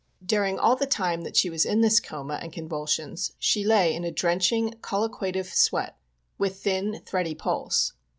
During all the time that she was in this coma and convul sions, she lay in a drenching colliquative sweat, with thin, thready pulse.